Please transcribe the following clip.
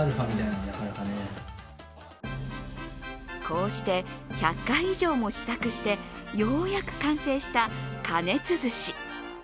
こうして１００回以上も試作してようやく完成した過熱寿司。